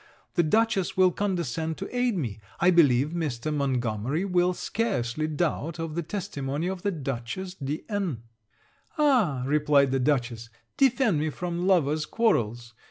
The Dutchess will condescend to aid me. I believe Mr. Montgomery will scarcely doubt of the testimony of the Dutchess de N .' 'Ah,' replied the Dutchess, 'defend me from lovers' quarrels!